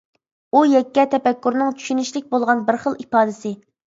ئۇ يەككە تەپەككۇرنىڭ چۈشىنىشلىك بولغان بىر خىل ئىپادىسى.